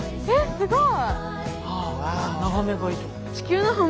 すごい。